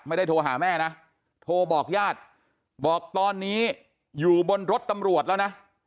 โทรหาแม่นะโทรบอกญาติบอกตอนนี้อยู่บนรถตำรวจแล้วนะ